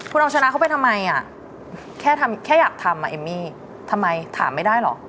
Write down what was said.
คุณเอาชนะเขาไปทำไมอ่ะแค่อยากทำอ่ะเอมมี่ทำไมถามไม่ได้เหรอ